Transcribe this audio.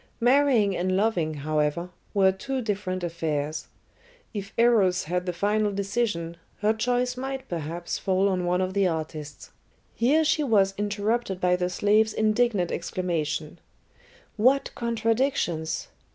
Marrying and loving, however, were two different affairs. If Eros had the final decision, her choice might perhaps fall on one of the artists. Here she was interrupted by the slave's indignant exclamation: "What contradictions!